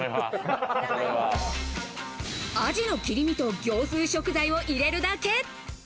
アジの切り身と業スー食材を入れるだけ。